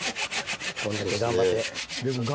こんだけ頑張って。